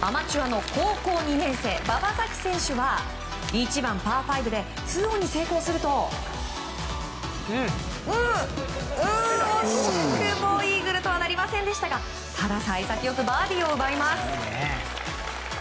アマチュアの高校２年生馬場咲希選手は１番、パー５で２オンに成功すると惜しくもイーグルとはなりませんでしたが幸先よくバーディーを奪います。